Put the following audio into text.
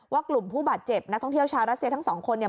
กลุ่มผู้บาดเจ็บนักท่องเที่ยวชาวรัสเซียทั้งสองคนเนี่ย